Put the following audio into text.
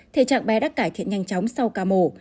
thể trạng bé đã cải thiện nhanh chóng sau ca mổ